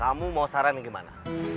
kamu mau saran yang gimana